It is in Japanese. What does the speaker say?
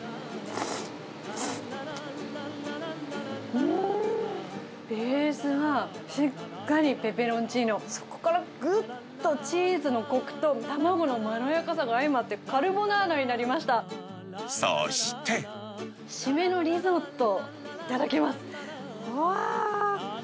うーん、ベースはしっかりペペロンチーノ、そこからぐっとチーズのこくと卵のまろやかさが相まって、カルボそして。締めのリゾット、頂きます。